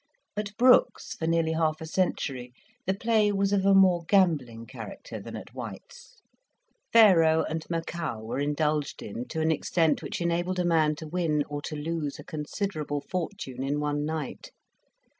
At Brookes', for nearly half a century, the play was of a more gambling character than at White's. Faro and macao were indulged in to an extent which enabled a man to win or to lose a considerable fortune in one night.